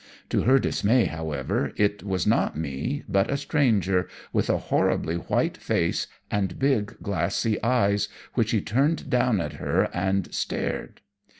To her dismay, however, it was not me, but a stranger with a horribly white face and big glassy eyes which he turned down at her and stared.